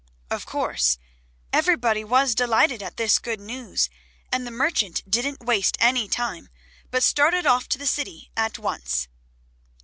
Of course, everybody was delighted at this good news, and the merchant didn't waste any time, but started off to the city at once.